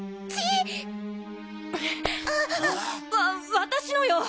わ私のよ！